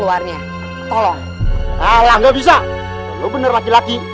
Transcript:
luarnya tolong ala nggak bisa lu bener laki laki